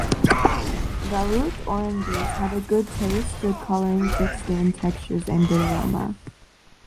Garut Oranges have a good taste, good coloring, thick skin textures, and good aroma.